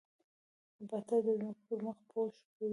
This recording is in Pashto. نباتات د ځمکې پر مخ پوښښ کوي